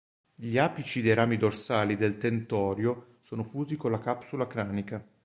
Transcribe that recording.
Gli apici dei rami dorsali del tentorio sono fusi con la capsula cranica.